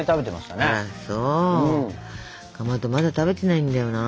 かまどまだ食べてないんだよな。